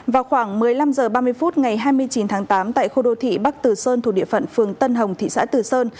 vào khoảng một mươi năm h ba mươi phút ngày hai mươi chín tháng tám tại khu đô thị bắc tử sơn thuộc địa phận phường tân hồng thị xã từ sơn